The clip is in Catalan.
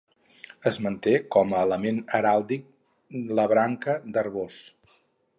Es manté com a element heràldic la branca d'arboç.